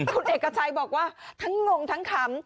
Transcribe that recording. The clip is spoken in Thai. คุณเอกชัยบอกว่าทั้งงงทั้งขำ